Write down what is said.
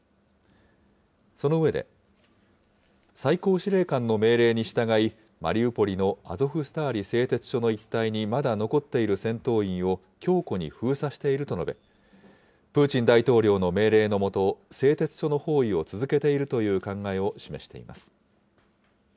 その上で、最高司令官の命令に従い、マリウポリのアゾフスターリ製鉄所の一帯にまだ残っている戦闘員を強固に封鎖していると述べ、プーチン大統領の命令の下、製鉄所の包囲を続けているという考えを示しています。